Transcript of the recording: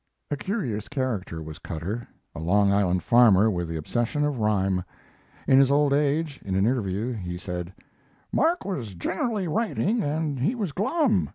A curious character was Cutter a Long Island farmer with the obsession of rhyme. In his old age, in an interview, he said: "Mark was generally writing and he was glum.